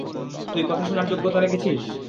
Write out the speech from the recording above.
তোই কথা শোনার যোগ্যতা রেখেছিস?